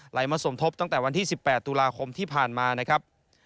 มาสมทบตั้งแต่วันที่๑๘ตุลาคมที่ผ่านมานะครับ